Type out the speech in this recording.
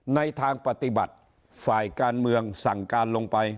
ในทางปฏิบัติฝ่ายการเมืองสั่งการลงไป